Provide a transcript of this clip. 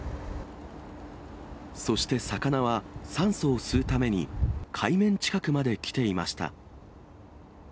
そして魚は酸素を吸うために海面近くまで来ていました。